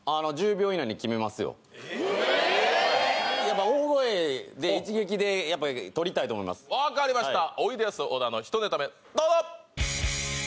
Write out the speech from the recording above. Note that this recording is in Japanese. ええっ大声で一撃でやっぱ獲りたいと思いますわかりましたおいでやす小田の１ネタ目どうぞ！